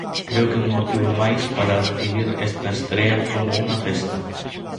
Creo que é un motivo máis para recibir esta estrea como unha festa.